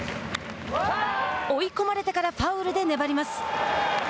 追い込まれてからファウルで粘ります。